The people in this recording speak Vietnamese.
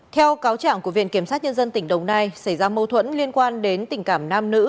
theo cáo trạng của viện kiểm sát nhân dân tỉnh đồng nai xảy ra mâu thuẫn liên quan đến tình cảm nam nữ